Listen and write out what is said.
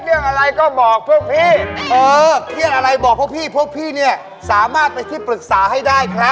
พวกพี่ขาโอ้โฮหนูเครียดมากหน่อย